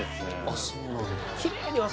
あそうなんだ